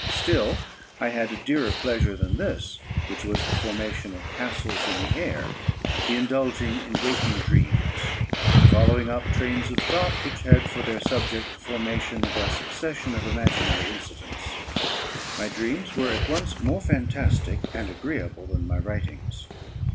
Still I had a dearer pleasure than this, which was the formation of castles in the air the indulging in waking dreams the following up trains of thought, which had for their subject the formation of a succession of imaginary incidents. My dreams were at once more fantastic and agreeable than my writings.